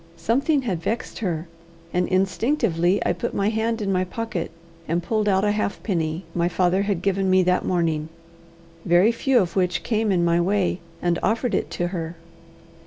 Something had vexed her, and instinctively I put my hand in my pocket, and pulled out a halfpenny my father had given me that morning very few of which came in my way and offered it to her.